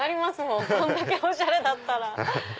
こんだけおしゃれだったら。